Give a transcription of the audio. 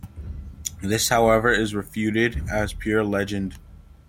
This, however, is refuted as pure legend.